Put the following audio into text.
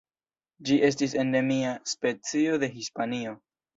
Ĝi estis endemia specio de Hispanio.